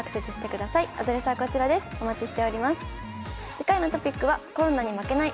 次回のトピックは「コロナに負けない！